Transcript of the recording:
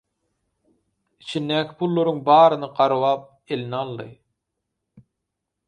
Içindäki pullaryň baryny garbap eline aldy.